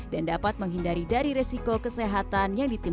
dan dapat menghindari dari resiko kesehatan dan kematian